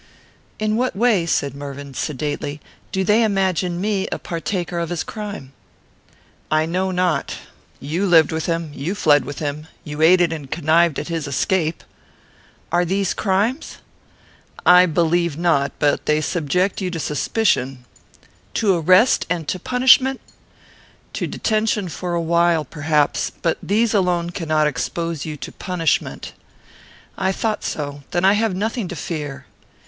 "In what way," said Mervyn, sedately, "do they imagine me a partaker of his crime?" "I know not. You lived with him. You fled with him. You aided and connived at his escape." "Are these crimes?" "I believe not, but they subject you to suspicion." "To arrest and to punishment?" "To detention for a while, perhaps. But these alone cannot expose you to punishment." "I thought so. Then I have nothing to fear."